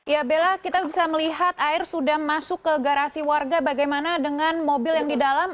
ya bella kita bisa melihat air sudah masuk ke garasi warga bagaimana dengan mobil yang di dalam